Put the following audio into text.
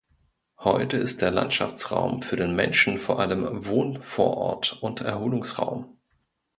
Heute ist der Landschaftsraum für den Menschen vor allem Wohnvorort und Erholungsraum.